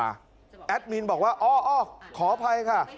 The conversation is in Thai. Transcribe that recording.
แอดมินบอกว่าอ๋อขออภัยค่ะ